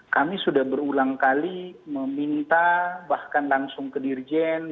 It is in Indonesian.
kami sudah berulang kali meminta bahkan langsung ke dirjen